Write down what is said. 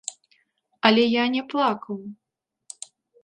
Але я не плакаў!